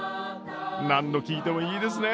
何度聴いてもいいですね